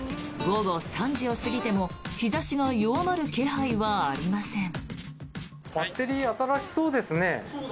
午後３時を過ぎても日差しが弱まる気配はありません。